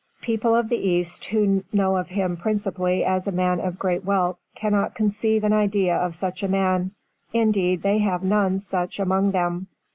People of the East who know of him principally as a man of great wealth cannot conceive an idea of such a man, indeed they have none such among them.